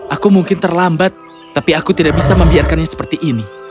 aku mungkin terlambat tapi aku tidak bisa membiarkannya seperti ini